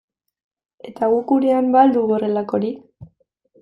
Eta guk gurean ba al dugu horrelakorik?